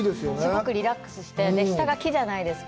すごくリラックスして、下が木じゃないですか。